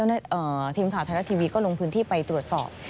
ทีมข่าวไทยรัฐทีวีก็ลงพื้นที่ไปตรวจสอบ